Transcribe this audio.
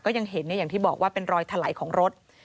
ยังเห็นอย่างที่บอกว่าเป็นรอยถลายของรถ